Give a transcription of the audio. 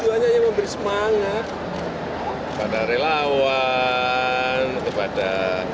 tujuannya hanya memberi semangat kepada relawan kepada